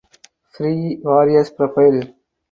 Frei Warriors profile